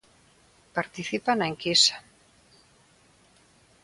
Participa na enquisa.